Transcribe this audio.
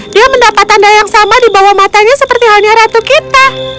dia mendapat tanda yang sama di bawah matanya seperti halnya ratu kita